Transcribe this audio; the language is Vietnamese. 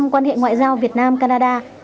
quan hệ ngoại giao việt nam canada